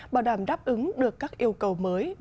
bảo đảm đáp ứng được các yêu cầu mới của các doanh nghiệp việt nam